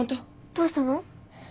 どうしたの？